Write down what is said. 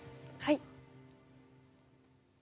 はい。